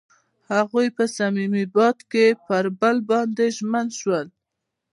هغوی په صمیمي باد کې پر بل باندې ژمن شول.